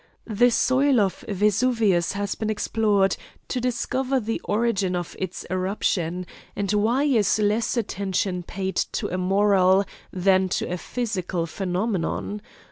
The soil of Vesuvius has been explored to discover the origin of its eruption; and why is less attention paid to a moral than to a physical phenomenon?